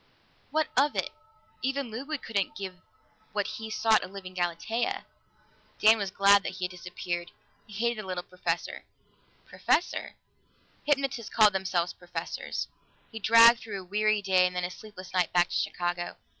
What of it? Even Ludwig couldn't give what he sought, a living Galatea. Dan was glad that he had disappeared; he hated the little professor. Professor? Hypnotists called themselves "professors." He dragged through a weary day and then a sleepless night back to Chicago.